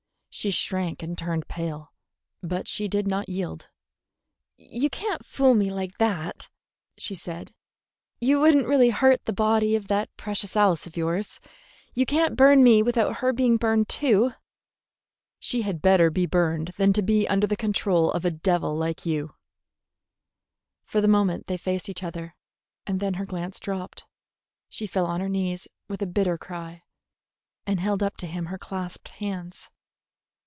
She shrank and turned pale; but she did not yield. "You can't fool me like that," she said. "You would n't really hurt the body of that precious Alice of yours. You can't burn me without her being burned too." "She had better be burned than to be under the control of a little devil like you." For the moment they faced each other, and then her glance dropped. She fell on her knees with a bitter cry, and held up to him her clasped hands.